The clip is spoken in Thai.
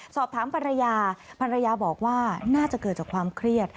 สอบถามภรรยาภรรยาบอกว่าน่าจะเกิดจากความเครียด